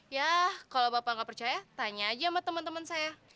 yah kalau bapak gak percaya tanya aja sama temen temen saya